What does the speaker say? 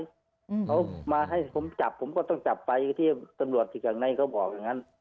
เขามาให้ผมจับผมก็ต้องจับไปที่ตำรวจที่ข้างในเขาบอกอย่างนั้น